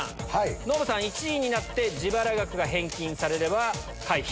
ノブさん、１位になって自腹額が返金されれば回避。